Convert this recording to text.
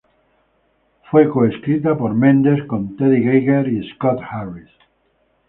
Fue co-escrita por Mendes con Teddy Geiger, Scott Harris.